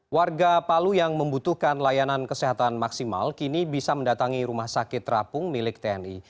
warga palu yang membutuhkan layanan kesehatan maksimal kini bisa mendatangi rumah sakit terapung milik tni